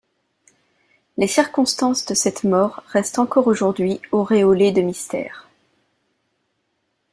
Les circonstances de cette mort restent encore aujourd'hui auréolées de mystère.